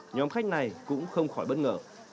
nhóm khách này cũng không khỏi bất ngờ